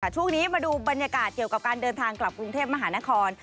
ช่วงนี้มาดูบรรยากาศเกี่ยวกับการเดินทางกลับกรุงเทพมหานคร